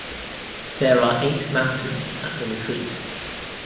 There are eight mountains at the retreat.